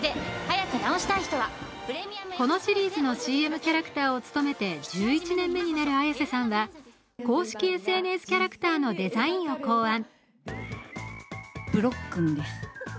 このシリーズのＣＭキャラクターを務めて１１年目になる綾瀬さんは公式ＳＮＳキャラクターのデザインを考案。